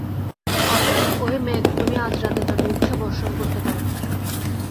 অতএব ওহে মেঘ, তুমি আজ রাতে যত ইচ্ছা বর্ষণ করতে পার।